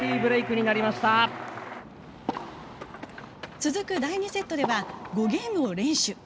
続く第２セットでは５ゲームを連取。